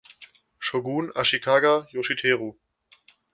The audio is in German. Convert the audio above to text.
Shogun, Ashikaga Yoshiteru.